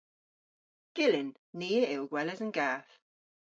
Gyllyn. Ni a yll gweles an gath.